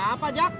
sendal siapa jac